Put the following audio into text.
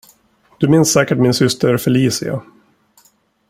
Du minns säkert min syster Felicia.